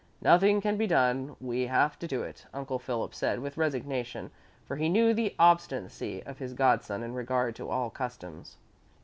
"Nothing can be done, we have to do it," Uncle Philip said with resignation, for he knew the obstinacy of his godson in regard to all customs.